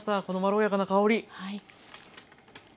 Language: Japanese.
このまろやかな香り！